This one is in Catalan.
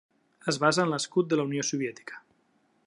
Es basa en l'escut de la Unió Soviètica.